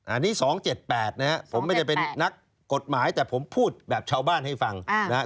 อันนี้๒๗๘นะครับผมไม่ได้เป็นนักกฎหมายแต่ผมพูดแบบชาวบ้านให้ฟังนะครับ